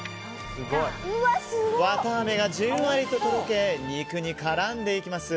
わたあめがじんわりととろけ肉に絡んでいきます。